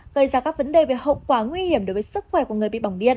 gây ra các vấn đề về hậu quả nguy hiểm đối với sức khỏe của người bị bỏng bia